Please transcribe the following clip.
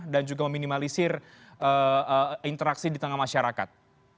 dan juga meminimalisir interaksi di tengah masyarakat